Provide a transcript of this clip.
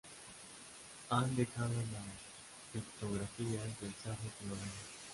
Han dejado las pictografías del Cerro Colorado.